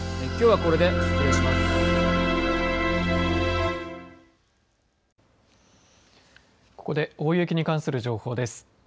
ここで大雪に関する情報です。